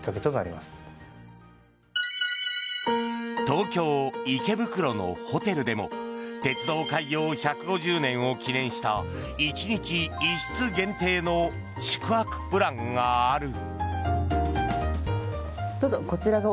東京・池袋のホテルでも鉄道開業１５０年を記念した１日１室限定の宿泊プランがある。